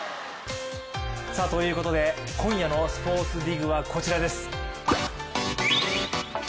ということで今夜の「ｓｐｏｒｔｓＤＩＧ」はこちらです。